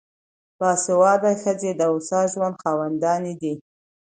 باسواده ښځې د هوسا ژوند خاوندانې دي.